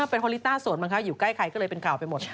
มันเป็นเพราะริต้าโสดมากครับอยู่ใกล้ใครก็เลยเป็นข่าวไปหมด